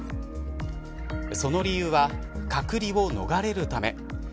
その理由は隔離を逃れるため。